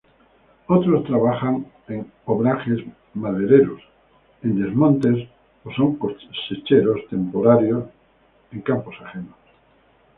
Otros trabajan en obrajes madereros, en desmontes o son cosecheros temporarios en campos ajenos.